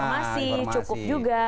informasi cukup juga